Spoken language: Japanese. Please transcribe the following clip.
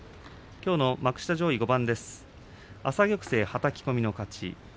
きょうの幕下上位５番。